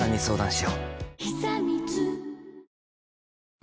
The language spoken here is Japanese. し！